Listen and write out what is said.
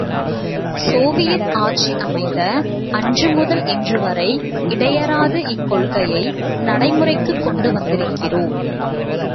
Soviet ஆட்சி அமைந்த அன்று முதல் இன்றுவரை இடையறாது இக்கொள்கையை நடைமுறைக்குக் கொண்டு வந்திருக்கிறோம்.